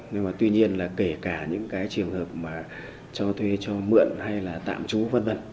nhưng mà tuy nhiên là kể cả những cái trường hợp mà cho thuê cho mượn hay là tạm trú v v